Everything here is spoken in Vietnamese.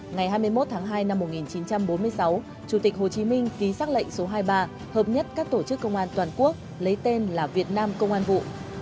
ngày hai mươi một tháng hai năm một nghìn chín trăm bốn mươi sáu chủ tịch hồ chí minh ký xác lệnh số hai mươi ba hợp nhất các tổ chức công an toàn quốc lấy tên là việt nam công an vụ